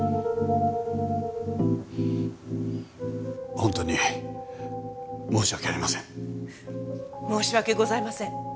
本当に申し訳ありません申し訳ございません